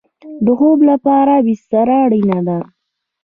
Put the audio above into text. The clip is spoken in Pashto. د خوب لپاره بستره اړین ده